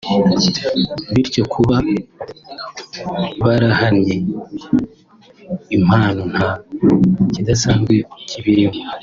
bityo kuba barahanye impano nta kidasanzwe kibirimo